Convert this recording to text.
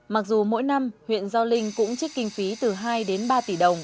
mặc dù mỗi năm huyện gio linh cũng trích kinh phí từ hai đến ba tỷ đồng